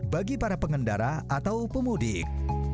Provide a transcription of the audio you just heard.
bagi para pengendara atau pemudik